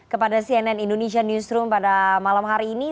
kepada cnn indonesia newsroom pada malam hari ini